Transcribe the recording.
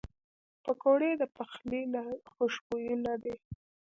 پکورې د پخلي له خوشبویو نه دي